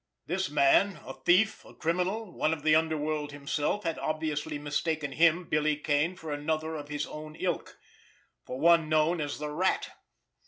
This man, a thief, a criminal, one of the underworld himself, had obviously mistaken him, Billy Kane, for another of his own ilk—for one known as the Rat.